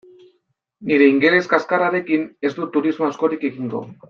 Nire ingeles kaxkarrarekin ez dut turismo askorik egingo.